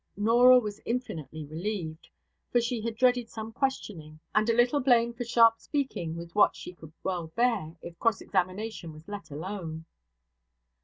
Norah was infinitely relieved; for she had dreaded some questioning; and a little blame for sharp speaking was what she could well bear, if cross examination was let alone.